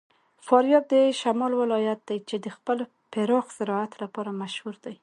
فاریاب د شمال ولایت دی چې د خپل پراخ زراعت لپاره مشهور دی.